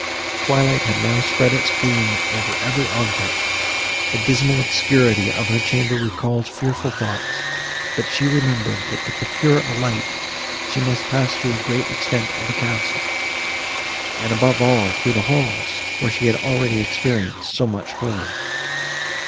Twilight had now spread its gloom over every object; the dismal obscurity of her chamber recalled fearful thoughts, but she remembered, that to procure a light she must pass through a great extent of the castle, and, above all, through the halls, where she had already experienced so much horror.